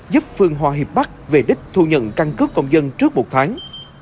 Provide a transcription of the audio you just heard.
giúp phương hòa hiệp bắc về đích thu nhận căn cước công dân trước một tháng